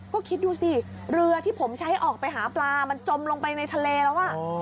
ก็คิดดูสิเรือที่ผมใช้ออกไปหาปลามันจมลงไปในทะเลแล้ว